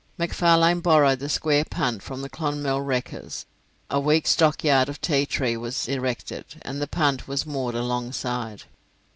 McFarlane borrowed the square punt from the 'Clonmel' wreckers, a weak stockyard of tea tree was erected, and the punt was moored alongside.